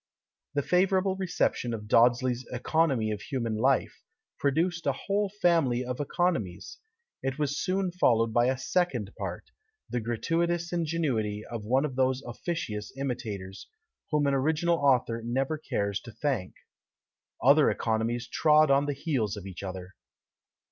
The favourable reception of Dodsley's "Oeconomy of Human Life," produced a whole family of oeconomies; it was soon followed by a second part, the gratuitous ingenuity of one of those officious imitators, whom an original author never cares to thank. Other oeconomies trod on the heels of each other.